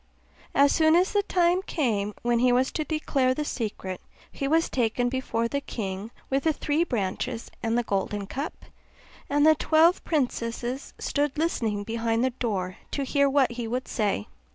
As soon as the time came when he was to declare the secret, he was taken before the king with the three branches and the golden cup; and the twelve princesses stood listening behind the door to hear what he would say.